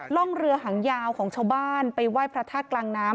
ร่องเรือหางยาวของชาวบ้านไปไหว้พระธาตุกลางน้ำ